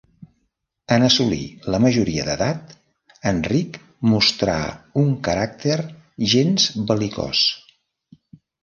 En assolir la majoria d'edat, Enric mostrà un caràcter gens bel·licós.